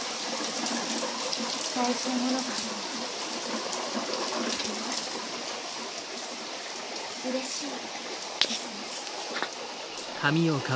大事なものがあるのはとてもうれしいですね。